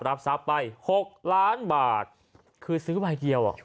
รับทรัพย์ไปหกล้านบาทคือซื้อใบเดียวอ่ะ